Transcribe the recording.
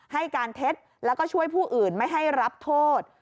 ให้การเท็จแล้วก็ช่วยผู้อื่นไม่ให้รับโทษ